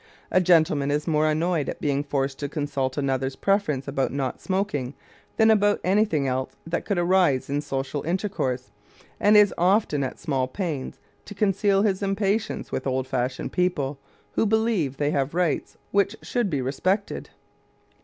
A gentleman is more annoyed at being forced to consult another's preference about not smoking than about anything else that could arise in social intercourse, and is often at small pains to conceal his impatience with old fashioned people who believe they have rights which should be respected.